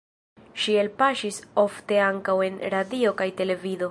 Ŝi elpaŝis ofte ankaŭ en radio kaj televido.